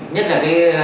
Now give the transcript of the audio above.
nhất là cái